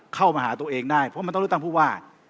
เข้ามาหาตัวเองได้เพราะมันต้องเลือกตั้งผู้ว่า